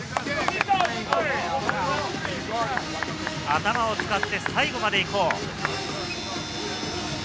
頭を使って最後までいこう。